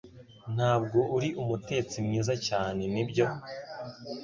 Ntabwo uri umutetsi mwiza cyane, nibyo?